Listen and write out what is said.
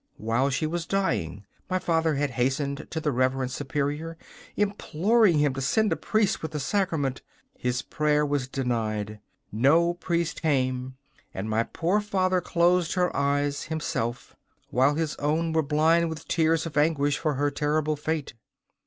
While she was dying my father had hastened to the Reverend Superior, imploring him to send a priest with the sacrament. His prayer was denied. No priest came, and my poor father closed her eyes himself, while his own were blind with tears of anguish for her terrible fate.